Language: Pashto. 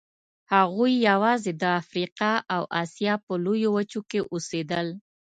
هغوی یواځې د افریقا او اسیا په لویو وچو کې اوسېدل.